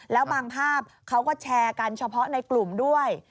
แล้วบางภาพเขาก็แชร์กันเฉพาะในกลุ่มด้วย